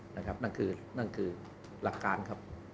ให้ครับให้ดูครับ